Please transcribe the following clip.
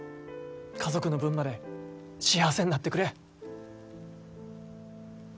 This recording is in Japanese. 家族の分まで幸せになってくれ。